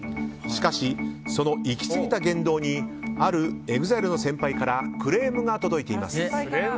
しかし、その行き過ぎた言動にあるＥＸＩＬＥの先輩からクレームが届いています。